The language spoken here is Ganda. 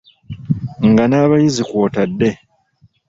Nga n’abayizi kw’otadde.